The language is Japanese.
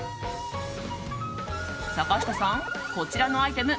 坂下さん、こちらのアイテム